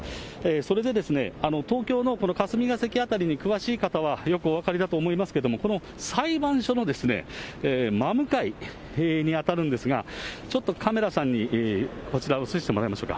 それで、東京の霞が関辺りに詳しい方はよくお分かりだと思いますけれども、この裁判所の真向かいに当たるんですが、ちょっとカメラさんにこちら、映してもらいましょうか。